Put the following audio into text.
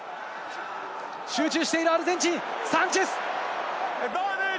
集中しているアルゼンチン、サンチェス。